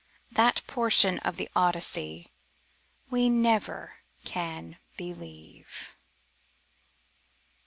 (That portion of the Odyssey we never can believe.)